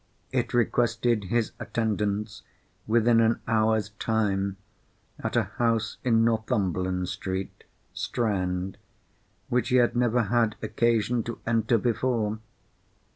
It requested his attendance, within an hour's time, at a house in Northumberland Street, Strand, which he had never had occasion to enter before.